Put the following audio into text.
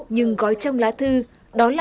nhưng gói trong lá thư đoán là